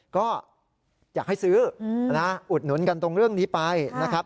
ก็อยากให้ซื้ออุดหนุนกันตรงเรื่องนี้ไปนะครับ